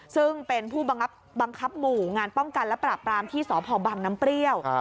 ซึ่งเป็นผู้บังคับหมู่งานป้องกันและปราบรามที่สพบังน้ำเปรี้ยว